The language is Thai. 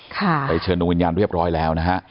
ไปเชิญดวงวิญญาณเรียบร้อยแล้วนะฮะ